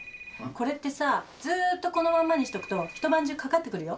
これってさずっとこのまんまにしとくと一晩中かかってくるよ。